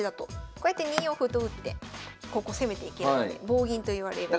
こうやって２四歩と打ってここ攻めていけるので棒銀といわれる。